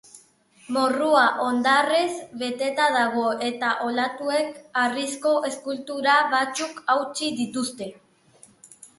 Morrua hondarrez beteta dago eta olatuek harrizko eskultura batzuk hautsi dituzte.